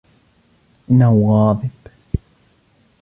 إنه غاضب.